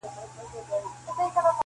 د یوې لويی غونډي -